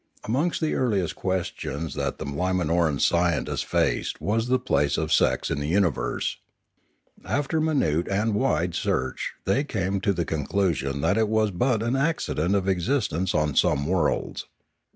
Amongst the earliest questions that the Limanoran scientists faced was the place of sex in the universe. After minute and wide research they came to the conclusion 582 Limanora that it was but an accident of existence on some worlds.